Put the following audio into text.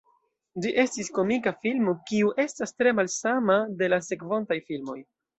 Ĝi estis komika filmo, kiu estas tre malsama de la sekvontaj filmoj.